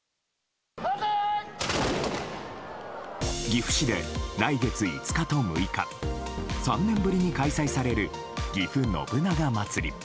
岐阜市で来月５日と６日３年ぶりに開催されるぎふ信長まつり。